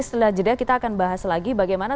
setelah jeda kita akan bahas lagi bagaimana